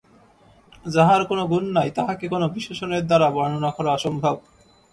যাঁহার কোন গুণ নাই, তাঁহাকে কোন বিশেষণের দ্বারা বর্ণনা করা অসম্ভব।